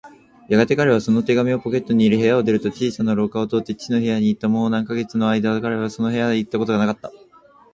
やがて彼はその手紙をポケットに入れ、部屋を出ると、小さな廊下を通って父の部屋へいった。もう何カ月かのあいだ、彼はその部屋へいったことがなかった。